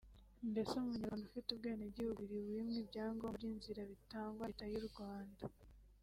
Mbese umunyarwanda ufite ubwenegihugu bubiri wimwe ibyangombwa by’inzira bitangwa na leta y’u Rwanda